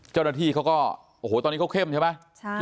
เจ้าหน้าที่เขาก็โอ้โหตอนนี้เขาเข้มใช่ไหม